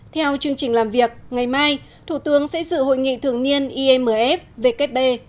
theo chương trình làm việc ngày mai thủ tướng sẽ dự hội nghị thường niên imf vkp